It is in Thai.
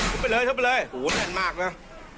ทุบไปเลยทุบไปเลยโอ้โหแหล่นมากเนอะ